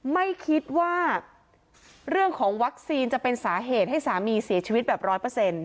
ไม่คิดว่าเรื่องของวัคซีนจะเป็นสาเหตุให้สามีเสียชีวิตแบบร้อยเปอร์เซ็นต์